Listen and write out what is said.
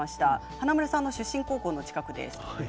華丸さんの出身高校の近くです。